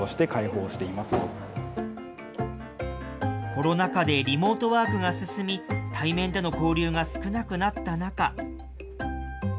コロナ禍でリモートワークが進み、対面での交流が少なくなった中。